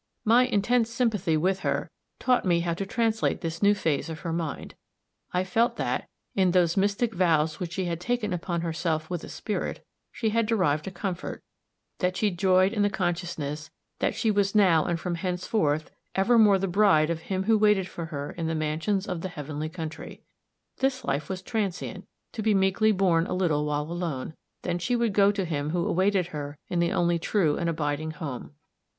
My intense sympathy with her taught me how to translate this new phase of her mind; I felt that, in those mystic vows which she had taken upon herself with a spirit, she had derived a comfort; that she joyed in the consciousness that she was now and from henceforth evermore the bride of him who waited for her in the mansions of the Heavenly country. This life was transient to be meekly borne a little while alone then she would go to him who awaited her in the only true and abiding home.